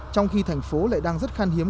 trong khi thành phố lại đang rất khan hiếm